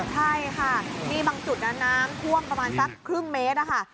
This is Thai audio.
ใช่ค่ะนี่บางจุดน้ำท่วงประมาณสักครึ่งเมตร